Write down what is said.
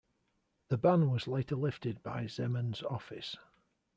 The ban was later lifted by Zeman's office.